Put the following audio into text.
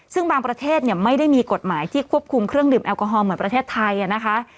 ซึ่งบางประเทศไม่ได้มีกฎหมายที่ควบคุมเครื่องดื่มแอลกอฮอลเหมือนประเทศไทยนะคะ